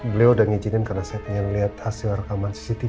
beliau udah ngizinkan karena saya pengen lihat hasil rekaman cctv